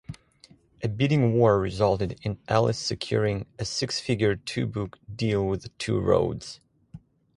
A bidding war resulted in Ellis securing a six-figure two-book deal with Two Roads.